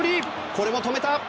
これも止めた。